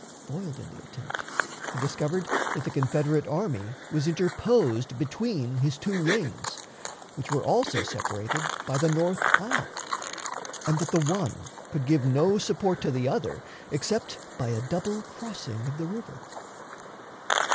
Foiled in the attempt, he discovered that the Confederate army was interposed between his two wings, which were also separated by the North Anna, and that the one could give no support to the other except by a double crossing of the river.